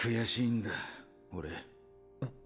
ん？